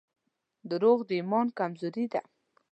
• دروغ د ایمان کمزوري ده.